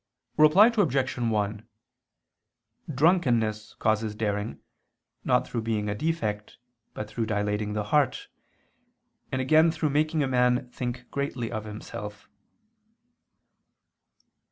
Reply Obj. 1: Drunkenness causes daring, not through being a defect, but through dilating the heart: and again through making a man think greatly of himself.